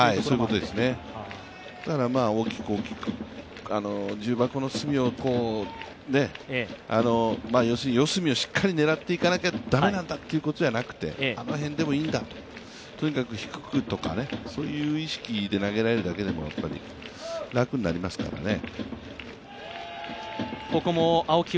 だから大きく大きく、重箱の隅を、四隅をしっかり狙っていかなきゃ駄目なんだということじゃなくてあの辺でもいいんだ、とにかく低くとか、そういう意識で投げられるだけでも楽になりますからね。